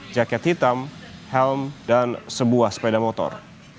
jaket hitam helm dan sebuah sepeda motor